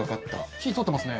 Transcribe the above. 火通ってますね。